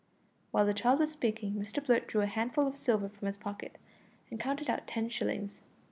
While the child was speaking Mr Blurt drew a handful of silver from his pocket, and counted out ten shillings.